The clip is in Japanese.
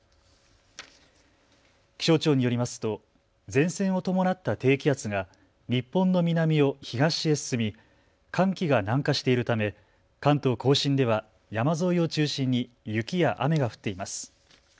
気象庁によりますと前線を伴った低気圧が日本の南を東へ進み寒気が南下しているため関東甲信では山沿いを中心に雪や雨が降っています。